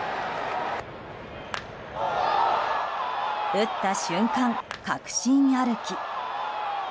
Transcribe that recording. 打った瞬間、確信歩き。